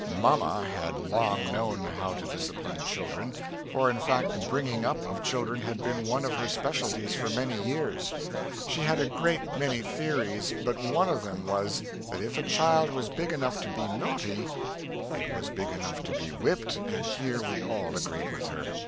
Mamma had long known how to disciplin children, for in fact the bringing up of children had been one of her specialties for many years. She had a great many theories, but one of them was, that if a child was big enough to be nauty, it was big enough to be whipped and here we all agreed with her.